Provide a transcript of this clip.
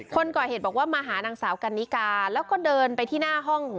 คนก่อเหตุบอกว่ามาหานางสาวกันนิกาแล้วก็เดินไปที่หน้าห้อง